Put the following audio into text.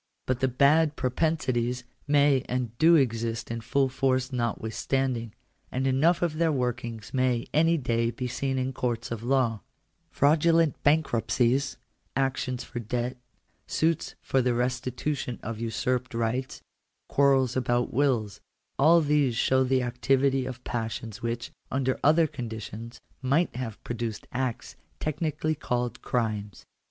But the bad propensities may and do exist in full force notwithstanding; and enough of their workings may any day be seen in courts of law Fraudu lent bankruptcies, actions for debt, suits for the restitution of usurped rights, quarrels about wills — all these show the activity of passions which, under other conditions, might have produced acts technically called crimes.